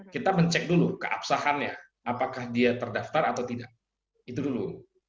kita mencek dulu keabsahannya apakah dia terdaftar atau tidak itu dulu